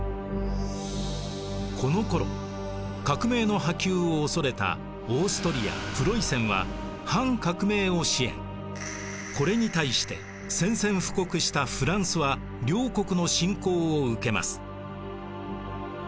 このころ革命の波及を恐れたこれに対して宣戦布告したフランスは両国の侵攻を受けます。